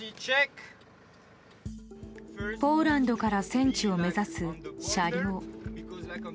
ポーランドから戦地を目指す車両。